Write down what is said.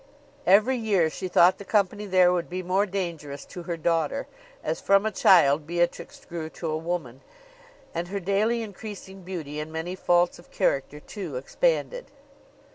Every year she thought the company there would be more dangerous to her daughter, as from a child Beatrix grew to a woman, and her daily increasing beauty, and many faults of character too, expanded.